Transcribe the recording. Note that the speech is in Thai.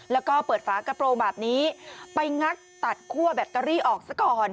แล้วก็เปิดฝากระโปรงแบบนี้ไปงัดตัดคั่วแบตเตอรี่ออกซะก่อน